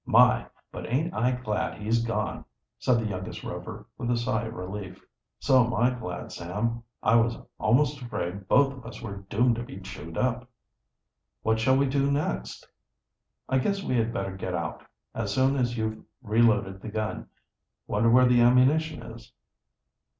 "My, but aint I glad he's gone!" said the youngest Rover, with a sigh of relief. "So am I glad, Sam. I was almost afraid both of us were doomed to be chewed up." "What shall we do next?" "I guess we had better get out as soon as you've reloaded the gun. Wonder where the ammunition is?"